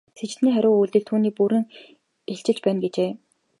Сэжигтний хариу үйлдэл түүнийг бүрэн илчилж байна гэжээ.